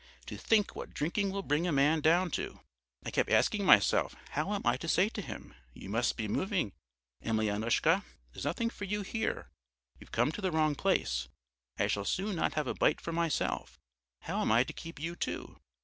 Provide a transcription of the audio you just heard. To think what drinking will bring a man down to! "I keep asking myself how am I to say to him: 'You must be moving, Emelyanoushka, there's nothing for you here, you've come to the wrong place; I shall soon not have a bite for myself, how am I to keep you too?'